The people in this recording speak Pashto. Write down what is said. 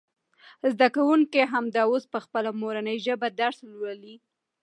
زده کوونکي همدا اوس په خپله مورنۍ ژبه درس لولي.